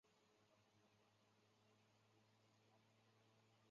这么做是为了避免负号的产生。